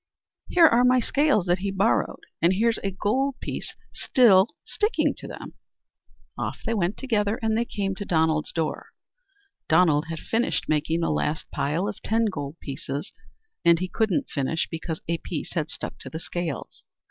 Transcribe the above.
"Here are my scales that he borrowed, and here's a gold piece still sticking to them." Off they went together, and they came to Donald's door. Donald had finished making the last pile of ten gold pieces. And he couldn't finish because a piece had stuck to the scales.